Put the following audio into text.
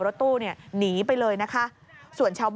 โดดลงรถหรือยังไงครับ